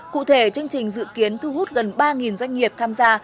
cụ thể chương trình dự kiến thu hút gần ba doanh nghiệp tham gia